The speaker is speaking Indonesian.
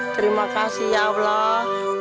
terima kasih ya allah